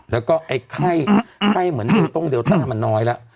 แล้วก็ไอ้ไข้เหมือนเดลต้งเลตันมันน้อยแล้ว